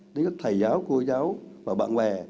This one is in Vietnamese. đến các thầy giáo cô giáo và bạn bè